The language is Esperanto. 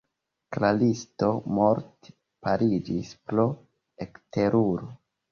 Klaristo morte paliĝis pro ekteruro.